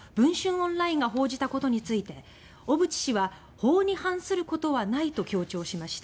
オンラインが報じたことについて小渕氏は法に反することはないと強調しました。